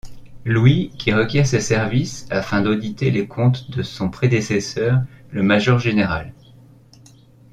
Louis, qui requiert ses services afin d'auditer les comptes de son prédécesseur le Maj.-gén.